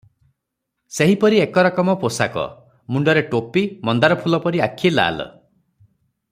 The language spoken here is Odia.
ସେହିପରି ଏକ ରକମ ପୋଷାକ, ମୁଣ୍ଡରେ ଟୋପି, ମନ୍ଦାରଫୁଲ ପରି ଆଖି ଲାଲ ।